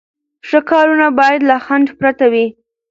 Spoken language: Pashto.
ښه کارونه باید له خنډ پرته وي.